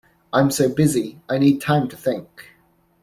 I'm so busy, I need time to think.